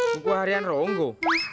buku harian ronggo